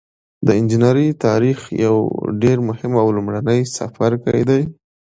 د انجنیری تاریخ یو ډیر مهم او لومړنی څپرکی دی.